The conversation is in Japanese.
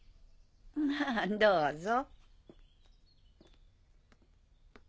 まあどうぞ。